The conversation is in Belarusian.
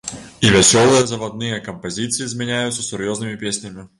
І вясёлыя завадныя кампазіцыі змяняюцца сур'ёзнымі песнямі.